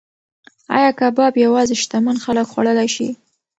ایا کباب یوازې شتمن خلک خوړلی شي؟